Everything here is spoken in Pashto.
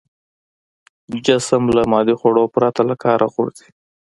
جسم له مادي خوړو پرته له کاره غورځي.